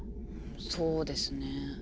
そうですね。